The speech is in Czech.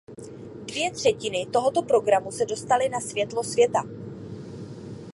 Dvě třetiny tohoto programu se dostaly na světlo světa.